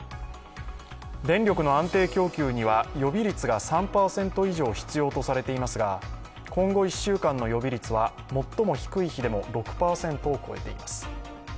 電力の安定供給には予備率が３％以上必要とされていますが今後１週間の予備率は最も低い日でも６％を超えています